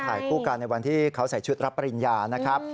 ถ่ายคู่กันในวันที่เขาใส่ชุดรับปริญญานะครับ